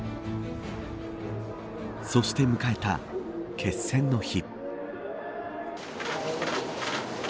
そして迎えた決戦の日。